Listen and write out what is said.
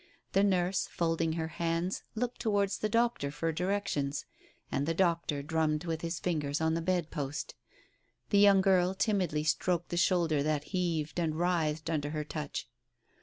The nurse, folding her hands, looked towards the doctor for directions, and the doctor drummed with his fingers on the bed post. The young 95 Digitized by Google 96 TALES OF THE UNEASY girl timidly stroked the shoulder that heaved and writhed under her touch.